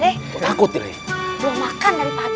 belum makan dari pagi